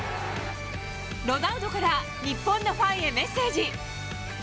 ロナウドから日本のファンへメッセージ。